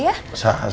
udah nggak usah maksa